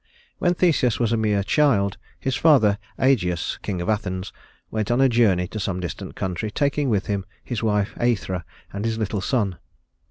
When Theseus was a mere child, his father Ægeus, king of Athens, went on a journey to some distant country, taking with him his wife Æthra and his little son.